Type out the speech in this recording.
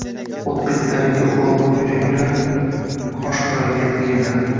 O‘t-betlarda uloqib yura-yura qosh qorayganda keldim.